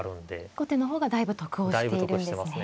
後手の方がだいぶ得をしているんですね。